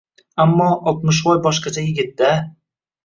Ammo Oltmishvoy boshqacha yigit-da!